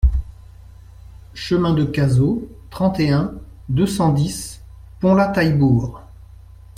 Chemin de Cazaux, trente et un, deux cent dix Ponlat-Taillebourg